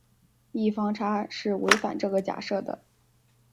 异方差是违反这个假设的。